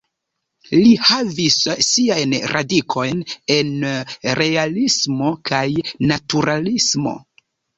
Li havis siajn radikojn en Realismo kaj Naturalismo.